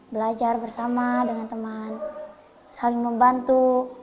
belajar bersama dengan teman saling membantu